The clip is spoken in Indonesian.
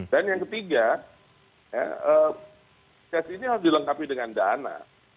dan yang ketiga ya eh kes ini harus dilengkapi dengan dana